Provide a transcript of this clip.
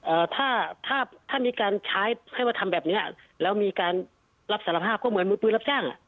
เอ่อถ้าถ้ามีการใช้ให้ว่าทำแบบเนี้ยแล้วมีการรับสารภาพก็เหมือนมุดมือรับจ้างอ่ะ